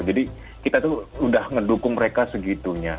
jadi kita tuh udah ngedukung mereka segitunya